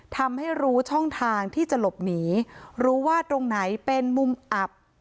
ทำให้รู้ช่องทางที่จะหลบหนีรู้ว่าตรงไหนเป็นมุมอับ